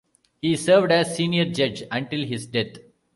He served as senior judge until his death.